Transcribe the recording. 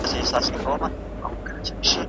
رسميت د ژبې حق دی.